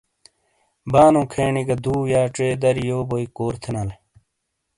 بانو کھینی گہ دو یا چئے دری یو بوئی کور تھینالے۔